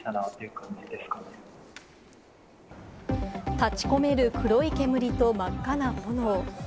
立ちこめる黒い煙と真っ赤な炎。